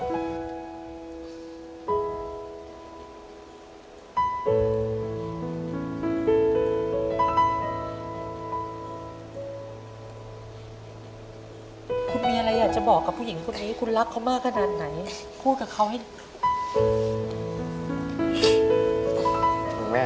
คุณมีอะไรอยากจะบอกกับผู้หญิงคนนี้คุณรักเขามากขนาดไหนพูดกับเขาให้